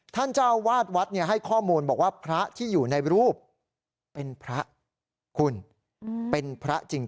เจ้าวาดวัดให้ข้อมูลบอกว่าพระที่อยู่ในรูปเป็นพระคุณเป็นพระจริง